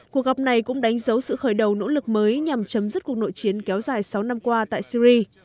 cuộc gặp này cũng đánh dấu sự khởi đầu nỗ lực mới nhằm chấm dứt cuộc nội chiến kéo dài sáu năm qua tại syri